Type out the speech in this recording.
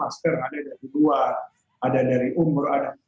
masker ada dari luar ada dari umur ada